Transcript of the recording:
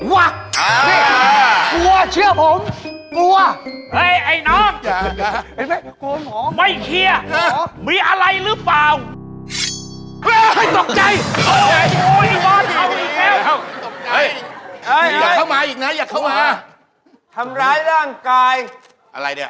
อ๋ออยากโดนฉันไม่ให้มาอยากมา